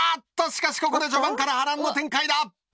しかしここで序盤から波乱の展開だ！